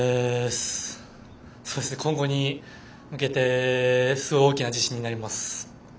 今後に向けて大きな自信になります。